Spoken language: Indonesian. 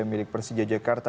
yang milik persija jakarta